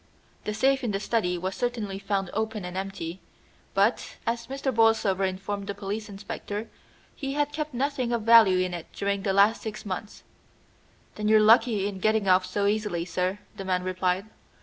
The safe in the study was certainly found open and empty, but, as Mr. Borlsover informed the police inspector, he had kept nothing of value in it during the last six months. "Then you're lucky in getting off so easily, sir," the man replied.